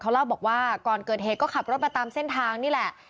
เล่าบอกว่าก่อนเกิดเหตุก็ขับรถมาตามเส้นทางนี่แหละ